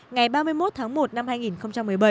ngày ba mươi một tháng một năm hai nghìn một mươi bảy